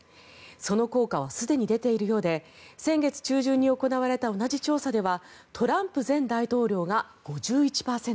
その効果はすでに出ているようで先月中旬に行われた同じ調査ではトランプ前大統領が５１％